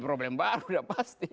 problem baru udah pasti